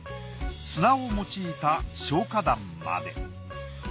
砂を用いた消火弾まで。